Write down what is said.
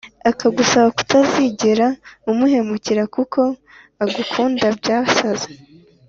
akagusaba kutazigera umuhemukira kuko agukunda byasaze